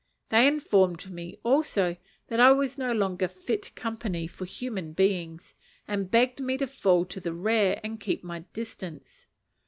They informed me also that I was no longer fit company for human beings, and begged me to fall to the rear and keep my distance.